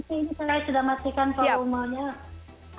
ini saya sudah matikan kalau umurnya